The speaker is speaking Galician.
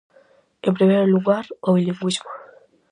En primeiro lugar, o bilingüismo.